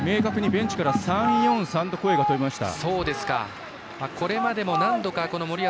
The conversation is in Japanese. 明確にベンチから３−４−３という声が飛びました。